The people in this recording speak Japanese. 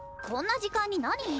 こんな時間に何？